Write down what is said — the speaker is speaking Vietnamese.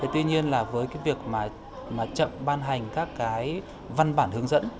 tuy nhiên là với cái việc mà chậm ban hành các cái văn bản hướng dẫn